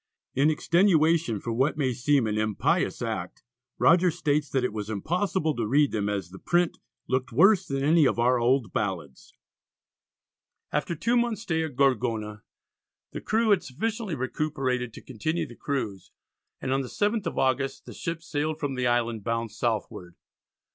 In extenuation for what may seem an impious act, Rogers states that it was impossible to read them as the print "looked worse than any of our old ballads." After two months' stay at Gorgona the crew had sufficiently recuperated to continue the cruise, and on the 7th of August the ships sailed from the island, bound southward.